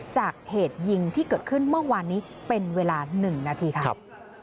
จากเหตุยิงที่เกิดขึ้นเมื่อวานนี้เป็นเวลา๑นาทีค่ะ